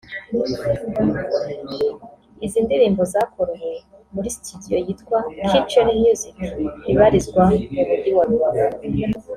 izi ndirimbo zakorewe muri Stdudio yitwa Kitchen Music ibarizwa mu Mujyi wa Rubavu